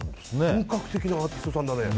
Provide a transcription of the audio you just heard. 本格的なアーティストさんだね。